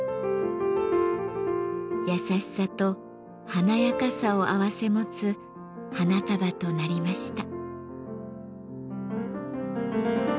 優しさと華やかさを併せ持つ花束となりました。